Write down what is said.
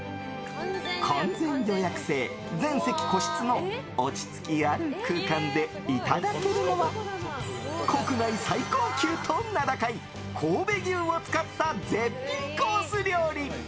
完全予約制・全席個室の落ち着きある空間でいただけるのは国内最高級と名高い神戸牛を使った絶品コース料理。